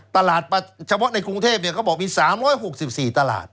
เฉพาะในกรุงเทพเขาบอกมี๓๖๔ตลาด